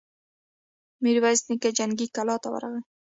ميرويس نيکه جنګي کلا ته ورغی.